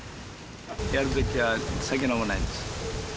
やる時は酒飲まないです。